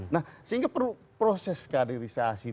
nah sehingga perlu proses kaderisasi